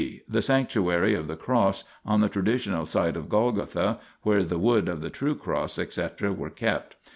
The Sanctuary of the Cross, on the traditional site of Golgotha (where the wood of the true Cross, xlvi INTRODUCTION etc., were kept).